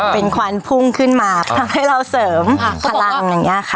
เป็นควันพุ่งขึ้นมาอ่าทำให้เราเสริมอ่าเขาบอกว่าพลังอย่างเงี้ยค่ะ